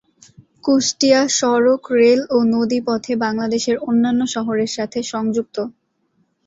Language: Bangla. কুষ্টিয়া সড়ক, রেল ও নদী পথে বাংলাদেশের অন্যান্য শহরের সাথে সংযুক্ত।